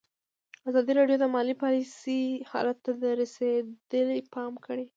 ازادي راډیو د مالي پالیسي حالت ته رسېدلي پام کړی.